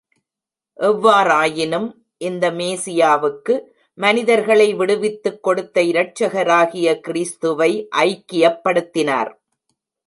எவ்வாறாயினும், இந்த மேசியாவுக்கு, மனிதர்களை விடுவித்துக் கொடுத்த இரட்சகராகிய கிறிஸ்துவை ஐக்கியப்படுத்தினார்.